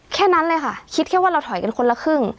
แค่นั้นเลยค่ะคิดแค่ว่าเราถอยกันคนละครึ่ง